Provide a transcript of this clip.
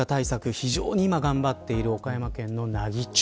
非常に今頑張っている岡山県の奈義町。